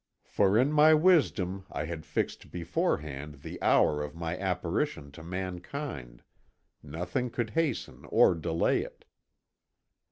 For in my wisdom I had fixed beforehand the hour of my apparition to mankind, nothing could hasten or delay it."